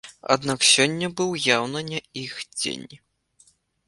Аднак сёння быў яўна не іх дзень.